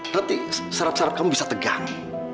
nanti serep serep kamu bisa tegang